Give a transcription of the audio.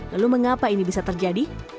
lalu mengapa ini bisa terjadi